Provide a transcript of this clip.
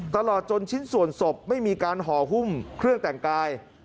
ตลอดจนชิ้นส่วนศพไม่มีการห่อหุ้มเครื่องแต่งกาย